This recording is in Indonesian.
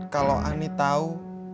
kalau ani tau